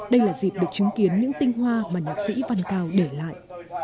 đây là dịp được chứng kiến những tinh hoa mà nhạc sĩ văn cao để lại